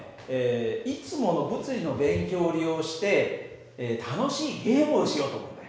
いつもの物理の勉強を利用して楽しいゲームをしようと思うんだよ。